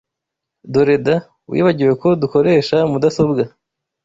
Dore da! Wibagiwe ko dukoresha mudasobwa!